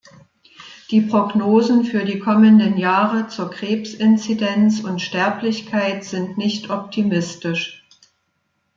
Die Prognosen für die kommenden Jahre zur Krebsinzidenz und Sterblichkeit sind nicht optimistisch.